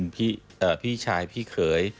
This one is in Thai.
พี่ชายพี่เขย